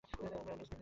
Miss Linnet Ridgeway!